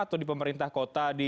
atau di pemerintah kota